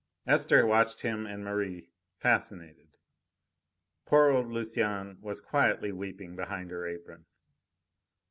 Esther watched him and Merri, fascinated. Poor old Lucienne was quietly weeping behind her apron.